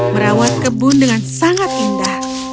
merawat kebun dengan sangat indah